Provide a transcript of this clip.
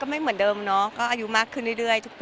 มันก็ไม่เหมือนเดิมเนาะก็อายุมากขึ้นเรื่อย